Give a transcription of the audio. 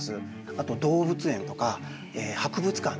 あと動物園とか博物館ですね。